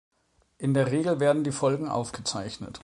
In der Regel werden die Folgen aufgezeichnet.